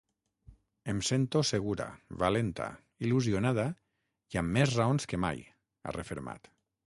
Em sento segura, valenta, il·lusionada i amb més raons que mai, ha refermat.